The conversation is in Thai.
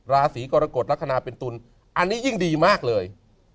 ราศีกรกฎลักษณะเป็นตุลอันนี้ยิ่งดีมากเลย